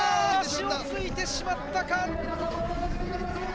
足をついてしまったか。